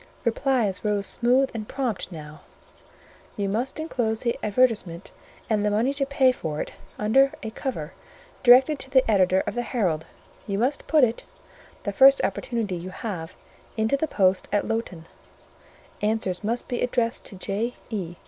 Replies rose smooth and prompt now:— "You must enclose the advertisement and the money to pay for it under a cover directed to the editor of the Herald; you must put it, the first opportunity you have, into the post at Lowton; answers must be addressed to J.E.